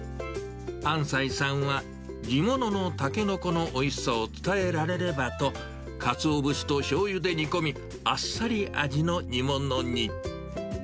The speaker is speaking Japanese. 安齋さんは地物のタケノコのおいしさを伝えられればと、カツオ節としょうゆで煮込み、あっさり味の煮物に。